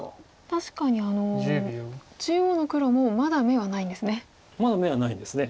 確かに中央の黒もまだ眼がはないんですね。